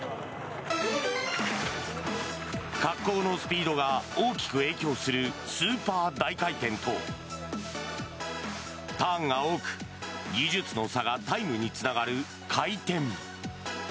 滑降のスピードが大きく影響するスーパー大回転とターンが多く、技術の差がタイムにつながる回転。